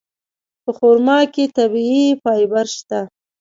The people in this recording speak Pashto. په خرما کې طبیعي فایبر شته.